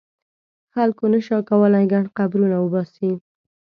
خلکو نه شو کولای ګڼ قبرونه وباسي.